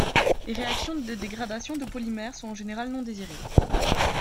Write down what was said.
Les réactions de dégradation de polymères sont en général non désirées.